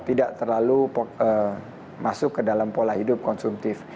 tidak terlalu masuk ke dalam pola hidup konsumtif